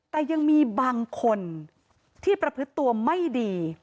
แต่ยังมีบางคนที่ประพฤติตัวไม่ดี